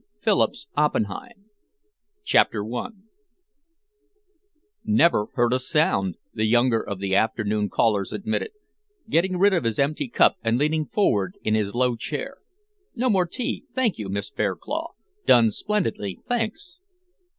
Phillips Oppenheim CHAPTER I "Never heard a sound," the younger of the afternoon callers admitted, getting rid of his empty cup and leaning forward in his low chair. "No more tea, thank you, Miss Fairclough. Done splendidly, thanks.